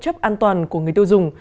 và chất chất an toàn của người tiêu dùng